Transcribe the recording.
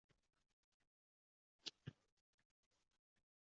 Radio ishidagi kamchiliklar haqida.